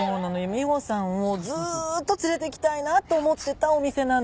美穂さんをずっと連れてきたいなと思ってたお店なの。